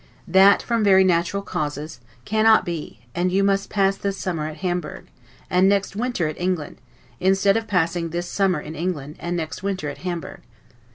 That, from very natural causes, cannot be, and you must pass this summer at Hamburg, and next winter in England, instead of passing this summer in England, and next winter at Hamburg.